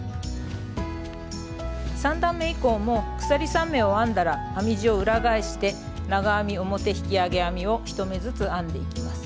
３段め以降も鎖３目を編んだら編み地を裏返して長編み表引き上げ編みを１目ずつ編んでいきます。